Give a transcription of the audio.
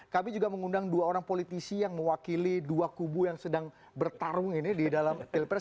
kami juga mengundang dua orang politisi yang mewakili dua kubu yang sedang bertarung ini di dalam pilpres